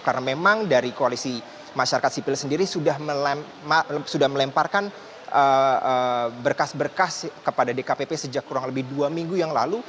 karena memang dari koalisi masyarakat sipil sendiri sudah melemparkan berkas berkas kepada dkpp sejak kurang lebih dua minggu yang lalu